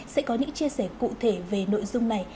sẽ có những chia sẻ cụ thể về nội dung này